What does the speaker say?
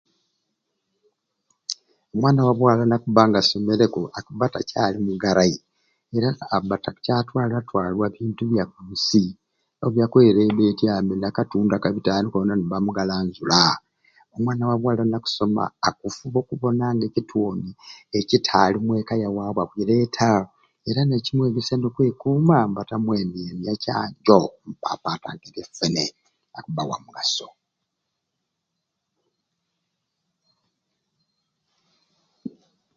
Omwana wa bwaala nakubba nga yasomereku abba tacaali mugarai era abba takyatwarwatwarwa bintu bya ku nsi ebyakwerebetya mbe nakatundwa aka bitaanu koona nibamugalanzula. Omwana wa bwaala nakusoma akufuba okubona nga ekitwoni ekitaali omweka yaabwe akukireeta era nibamwegesya nokwekuuma nibatamwendyandya canjo kubanga akubba wa mugaso.